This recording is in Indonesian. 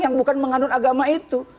yang bukan menganut agama itu